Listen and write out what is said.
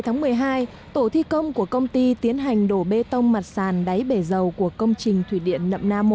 ngày một mươi hai tổ thi công của công ty tiến hành đổ bê tông mặt sàn đáy bể dầu của công trình thủy điện nậm nam